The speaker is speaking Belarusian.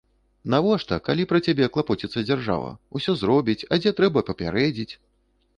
Навошта, калі пра цябе клапоціцца дзяржава, усё зробіць, а дзе трэба, папярэдзіць?